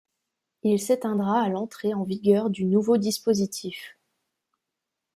Il s'éteindra à l'entrée en vigueur du nouveau dispositif.